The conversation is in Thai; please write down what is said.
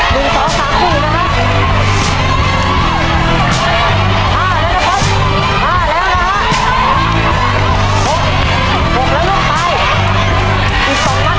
ภายในเวลา๓นาที